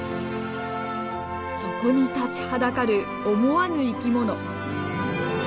そこに立ちはだかる思わぬ生き物。